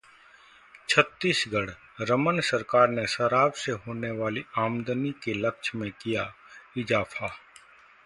छत्तीसगढ़ः रमन सरकार ने शराब से होने वाली आमदनी के लक्ष्य में किया इजाफा